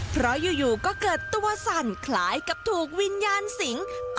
เพราะอยู่ก็เกิดตัวสั่นคล้ายกับถูกวิญญาณสิง